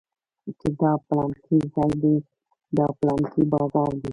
چې دا پلانکى ځاى دى دا پلانکى بازار دى.